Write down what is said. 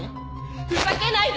ふざけないで！